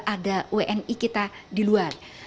ada wni kita di luar